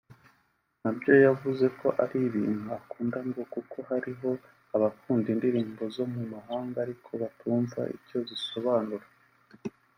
nabyo yavuze ko ari ibintu akunda ngo kuko hariho abakunda indirimbo zo mu mahanga ariko batumva icyo zisobanura